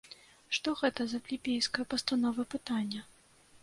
Што гэта за плебейская пастанова пытання?!